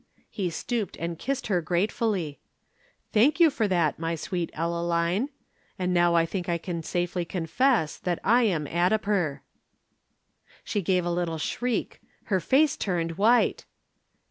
He stooped and kissed her gratefully. "Thank you for that, my sweet Ellaline. And now I think I can safely confess that I am Addiper." She gave a little shriek. Her face turned white.